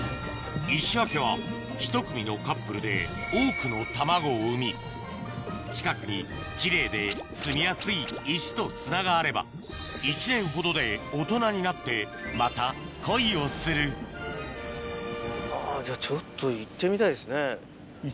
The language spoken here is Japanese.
イシワケはひと組のカップルで多くの卵を産み近くに奇麗ですみやすい石と砂があれば１年ほどで大人になってまた恋をするあぁじゃあちょっと。